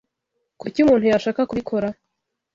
Kuki umuntu yashaka kubikora?